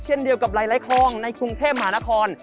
เช่นเดียวกับหลายคลองในกรุงเทพมหานคร